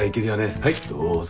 はいどうぞ。